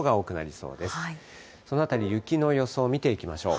そのあたり、雪の予想見ていきましょう。